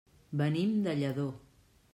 Venim de Lladó.